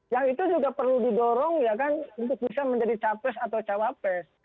yang itu juga perlu didorong ya kan untuk bisa menjadi capres atau cawapres